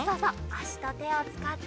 あしとてをつかって。